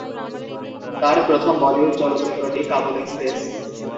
তাঁর প্রথম বলিউড চলচ্চিত্রটি "কাবুল এক্সপ্রেস"।